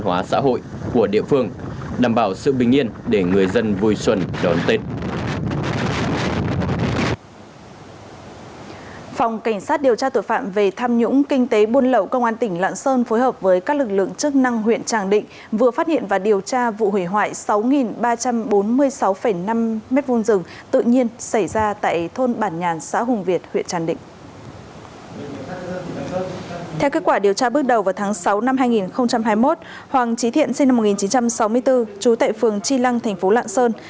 hoàng trí thiện sinh năm một nghìn chín trăm sáu mươi bốn trú tại phường chi lăng thành phố lạng sơn